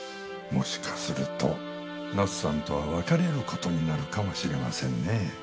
もしかすると奈津さんとは別れる事になるかもしれませんね。